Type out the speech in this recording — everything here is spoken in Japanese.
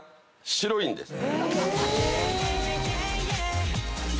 白いんです。